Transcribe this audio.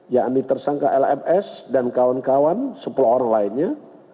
yakni tersangka lms dan kawan kawan sepuluh orang lainnya